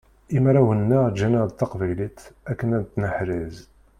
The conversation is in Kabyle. Imarawen-nneɣ ǧǧanaɣ-d taqbaylit akken ad tt-neḥrez.